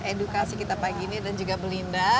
edukasi kita pagi ini dan juga belinda